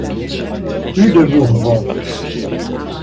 Plus de Bourbons!